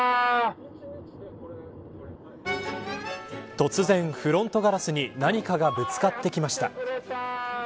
突然、フロントガラスに何かがぶつかってきました。